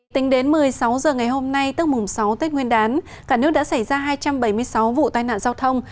tính đến một mươi sáu h ngày hôm nay tức mùng sáu tết nguyên đán cả nước đã xảy ra hai trăm bảy mươi sáu vụ tai nạn giao thông